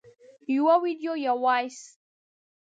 - یو ویډیو یا Voice 🎧